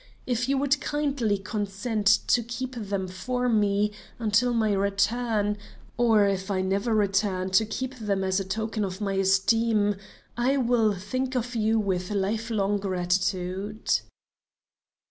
If you would kindly consent to keep them for me until my return, or if I never return to keep them as a token of my esteem, I will think of you with lifelong gratitude."